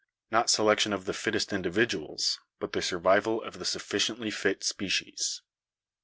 Not selection of the fittest individuals, but the survival of the sufficiently fit species."